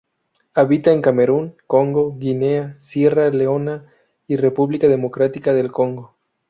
Habita en Camerún, Congo, Guinea, Sierra Leona, y República Democrática del Congo.